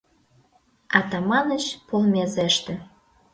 — Атаманыч полмезеште.